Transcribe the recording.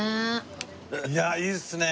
いやいいですね。